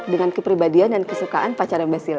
dengan kepribadian dan kesukaan pacar mbak sila